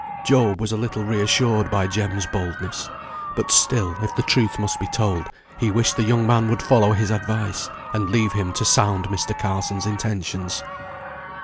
Job was a little reassured by Jem's boldness; but still, if the truth must be told, he wished the young man would follow his advice, and leave him to sound Mr. Carson's intentions.